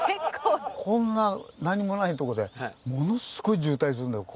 こんな何もない所でものすごい渋滞するんだよ